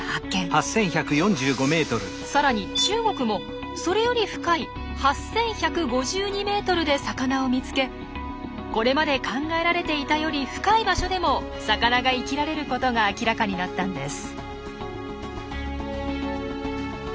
さらに中国もそれより深い８，１５２ｍで魚を見つけこれまで考えられていたより深い場所でも魚が生きられることが明らかになったんです。